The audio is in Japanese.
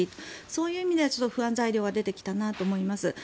そういう意味では不安材料が出てきたと思います。